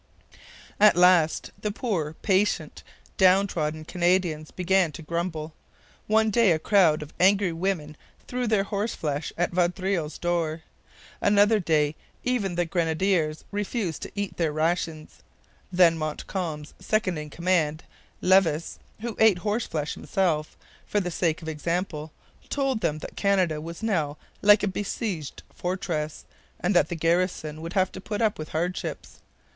At last the poor, patient, down trodden Canadians began to grumble. One day a crowd of angry women threw their horse flesh at Vaudreuil's door. Another day even the grenadiers refused to eat their rations. Then Montcalm's second in command, Levis, who ate horse flesh himself, for the sake of example, told them that Canada was now like a besieged fortress and that the garrison would have to put up with hardships.